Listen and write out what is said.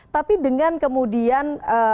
tapi dengan kemudian